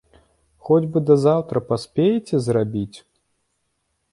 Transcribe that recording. Хоць бы да заўтра паспееце зрабіць?